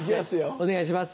お願いします。